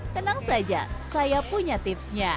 tenang saja saya punya tipsnya